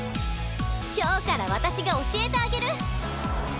今日から私が教えてあげる。